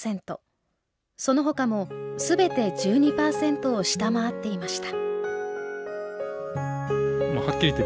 そのほかも全て１２％を下回っていました